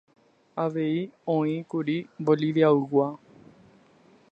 Avei oĩkuri Boliviaygua.